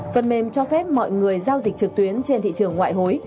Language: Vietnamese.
phần mềm cho phép mọi người giao dịch trực tuyến trên thị trường ngoại hối